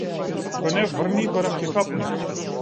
Ако не врни, барем ќе капни.